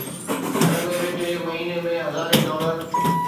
گهر ۾ ويٺي مهيني ۾ هزارين ڊالر